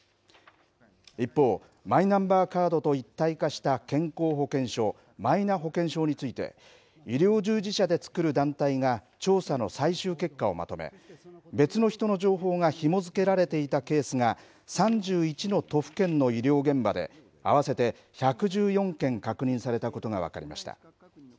一方、マイナンバーカードと一体化した健康保険証、マイナ保険証について、医療従事者で作る団体が調査の最終結果をまとめ、別の人の情報がひも付けられていたケースが３１の都府県の医療現場で、合わせて１１４件確認されたことが分かりました。